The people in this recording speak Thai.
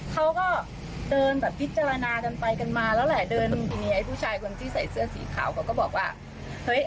เขาก็เดินแบบพิจารณากันไปกันมาแล้วแหละเดินทีนี้ไอ้ผู้ชายคนที่ใส่เสื้อสีขาวเขาก็บอกว่าเฮ้ย